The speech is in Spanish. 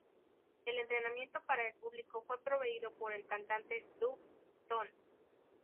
El entretenimiento para el público fue proveído por el cantante Doug Stone.